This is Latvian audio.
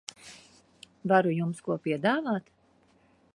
Varu jums ko piedāvāt?